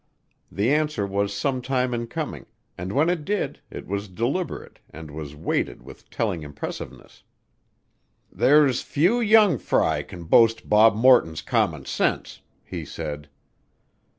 The answer was some time in coming, and when it did it was deliberate and was weighted with telling impressiveness: "There's few young fry can boast Bob Morton's common sense," he said.